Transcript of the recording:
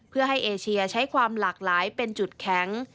เพื่อให้เอเชียใช้ความหลากหลายเป็นจุดแข็ง